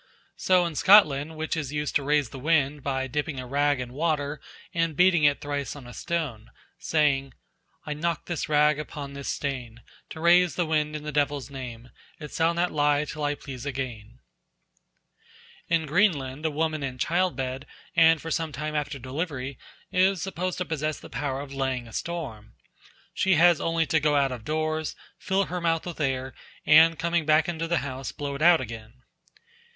So in Scotland witches used to raise the wind by dipping a rag in water and beating it thrice on a stone, saying: "I knok this rag upone this stane To raise the wind in the divellis name, It sall not lye till I please againe." In Greenland a woman in child bed and for some time after delivery is supposed to possess the power of laying a storm. She has only to go out of doors, fill her mouth with air, and coming back into the house blow it out again.